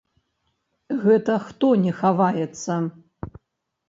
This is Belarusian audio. Гэта, хто не хаваецца.